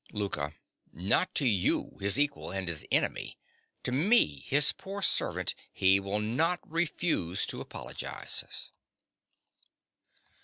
LOUKA. Not to you, his equal and his enemy. To me, his poor servant, he will not refuse to apologize.